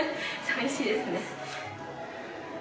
寂しいですね。